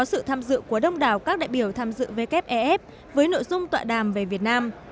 sự tham dự của đông đảo các đại biểu tham dự wef với nội dung tọa đàm về việt nam